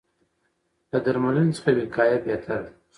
له درملنې څخه وقایه بهتره ده.